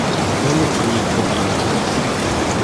Will you please open up to us?